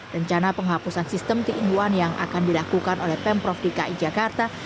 rencana penghapusan sistem tiga in satu yang akan dilakukan oleh pemprov dki jakarta